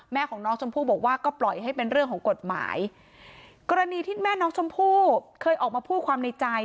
แม่ของน้องชมพู่บอกว่าก็ปล่อยให้เป็นเรื่องของกฎหมายกรณีที่แม่น้องชมพู่เคยออกมาพูดความในใจ